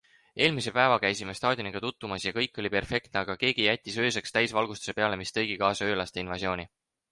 Eelmise päeval käisime staadioniga tutvumas ja kõik oli perfektne, aga keegi jättis ööseks täisvalgustuse peale, mis tõigi kaasa öölaste invasiooni.